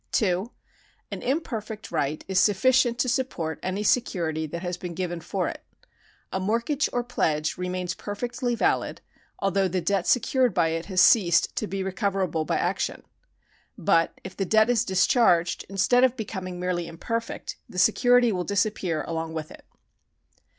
2. An imperfect right is sufficient to support any security that has been given for it. A mortgage or pledge remains perfectly valid, although the debt secured by it has ceased to be recoverable by action.^ But if the debt is discharged, instead of becoming merely imperfect, the security will dis appear along with it.